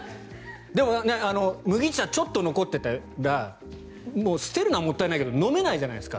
でも、麦茶ちょっと残ってたらもう捨てるのはもったいないけど飲めないじゃないですか。